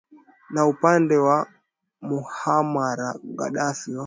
na upande ya muhamar gadaffi wa